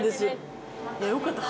よかった。